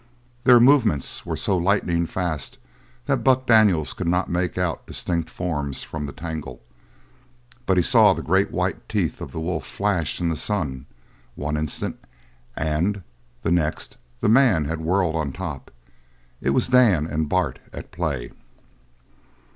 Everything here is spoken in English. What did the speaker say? Their movements were so lightning fast that Buck Daniels could not make out distinct forms from the tangle. But he saw the great white teeth of the wolf flash in the sun one instant, and the next the man had whirled on top. It was Dan and Bart at play.